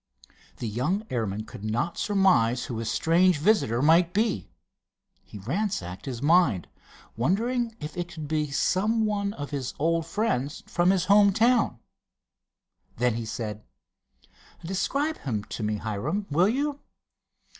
The young airman could not surmise who his strange visitor might be. He ransacked his mind, wondering if it could be some one of his old friends from his home town. Then he said: "Describe him to me, Hiram, will you?"